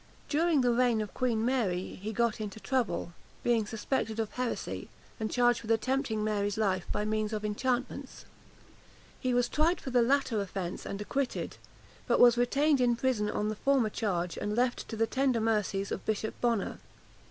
During the reign of Queen Mary he got into trouble, being suspected of heresy, and charged with attempting Mary's life by means of enchantments. He was tried for the latter offence, and acquitted; but was retained in prison on the former charge, and left to the tender mercies of Bishop Bonner.